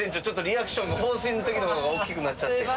リアクションが放水の時の方が大きくなっちゃって。